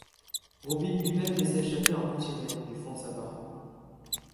Robine lui-même laissa échapper un petit rire, du fond de sa barbe.